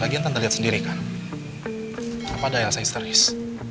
lagian tante lihat sendiri kan kenapa ada elsa histeris